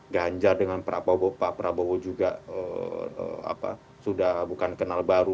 ganjar dengan prabowo pak prabowo juga sudah bukan kenal baru